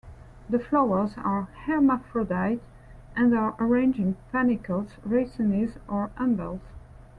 The flowers are hermaphrodite, and are arranged in panicles, racemes, or umbels.